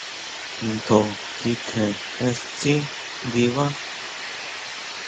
Tjon kikjen, jee tsí ndibá.